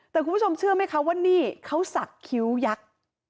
แต่คุณผู้ชมเชื่อไหมคะว่านี่เขาสักคิ้วยักษ์